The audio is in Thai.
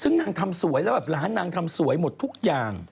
ซึ่งนางทำสวยแล้วแบบร้านนางทำสวยหมดทุกอย่าง